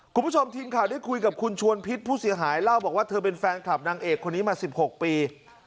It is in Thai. คุณผู้ชมทีมข่าวได้คุยกับคุณชวนพิษผู้เสียหายเล่าบอกว่าเธอเป็นแฟนคลับนางเอกคนนี้มา๑๖ปี